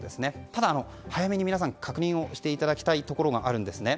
ただ、早めに確認をしていただきたいところがあるんですね。